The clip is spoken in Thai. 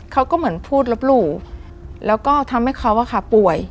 เขาก็เหมือนพูดลบหลู่แล้วก็ทำให้เขาป่วย